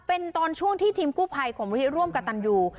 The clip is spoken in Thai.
เป็นตอนช่วงที่ทีมกู้ไพ่ของวิลร่วมกับตันดู